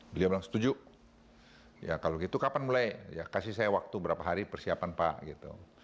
beliau bilang setuju ya kalau gitu kapan mulai ya kasih saya waktu berapa hari persiapan pak gitu